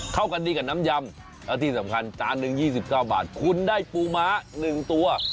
เข้ากันดีกับน้ำยำแล้วที่สำคัญจานหนึ่ง๒๙บาทคุณได้ปูม้า๑ตัว